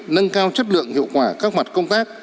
nâng cao chất lượng hiệu quả các mặt công tác